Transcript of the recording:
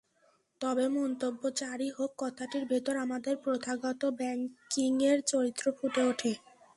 তবে মন্তব্য যাঁরই হোক, কথাটির ভেতর আমাদের প্রথাগত ব্যাংকিংয়ের চরিত্র ফুটে ওঠে।